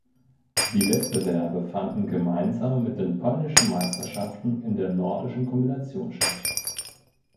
Die Wettbewerbe fanden gemeinsam mit den polnischen Meisterschaften in der Nordischen Kombination statt.